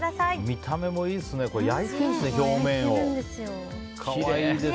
見た目もいいですね。